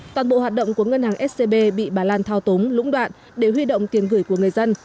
toàn bộ hoạt động của ngân hàng scb bị bà lan thao túng lũng đoạn để huy động tiền gửi của người dân